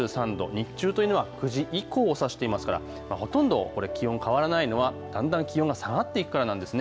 日中というのは９時以降をさしてますから、ほとんど気温変わらないのはだんだん気温が下がっていくからなんです。